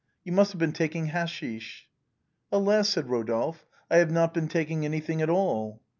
You must have been taking hasheesh." "Alas !" said Rodolphe, " I have not been taking any thing at all."